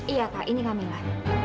iya pak ini kamila